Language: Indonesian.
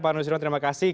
pak nusrimo terima kasih